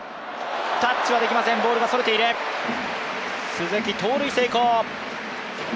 鈴木、盗塁成功。